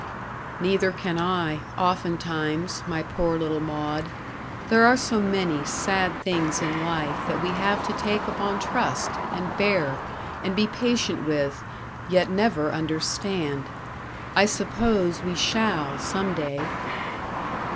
"Neither can I often times, my poor little Maud. There are so many sad things in life that we have to take upon trust, and bear, and be patient with yet never understand. I suppose we shall some day."